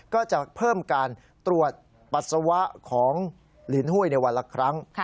ก็จะเพิ่มการตรวจปัสสาวะของลินหุ้ยในวันละครั้ง